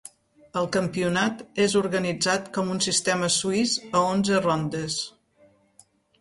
El campionat és organitzat com un sistema suís a onze rondes.